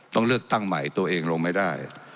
ต้องเลือกตั้งใหม่ตัวเองลงไม่ได้